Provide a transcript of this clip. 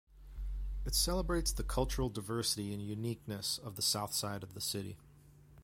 It celebrates the cultural diversity and uniqueness of the Southside of the City.